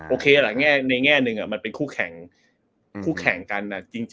โอเคแหละในแง่อื่นชีวิตมันเป็นคู่แข่งกัน